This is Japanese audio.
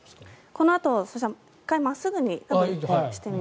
このあとは一回真っすぐにしてみます。